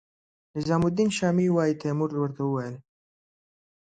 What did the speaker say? نظام الدین شامي وايي تیمور ورته وویل.